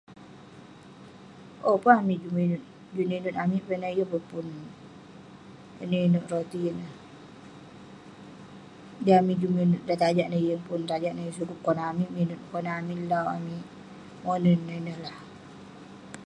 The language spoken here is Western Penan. Owk..pun amik juk minut, juk ninut amik peh neh, yeng pun inouk inouk roti neh..dey amik juk minut...tajak neh yeng pun, tajak neh yeng sukup..konak amik minut, konak amik lauwk amik monen ineh lah..